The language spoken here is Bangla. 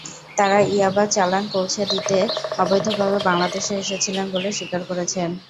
তাঁরা ইয়াবার চালান পৌঁছে দিতে অবৈধভাবে বাংলাদেশে এসেছিলেন বলে স্বীকার করেছেন।